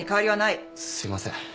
すいません。